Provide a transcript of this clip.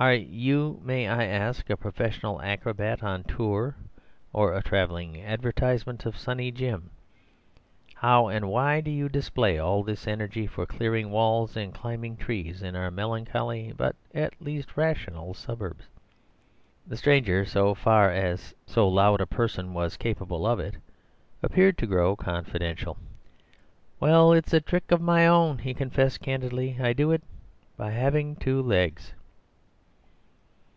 Are you, may I ask, a professional acrobat on a tour, or a travelling advertisement of Sunny Jim? How and why do you display all this energy for clearing walls and climbing trees in our melancholy, but at least rational, suburbs?" The stranger, so far as so loud a person was capable of it, appeared to grow confidential. "Well, it's a trick of my own," he confessed candidly. "I do it by having two legs."